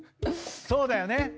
そうだよね。